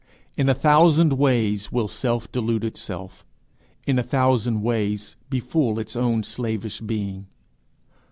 In a thousand ways will Self delude itself, in a thousand ways befool its own slavish being.